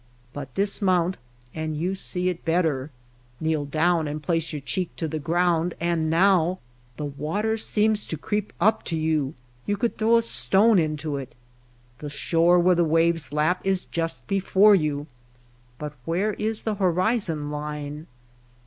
But dismount and you see it better ; kneel down and place your cheek to the ground and now the water seems to creep up to you. You could throw a stone into it. The shore where the waves lap is just before you. But where is the horizon line